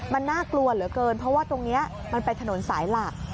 มันน่ากลัวเหลือเกินเพราะว่าตรงนี้มันเป็นถนนสายหลัก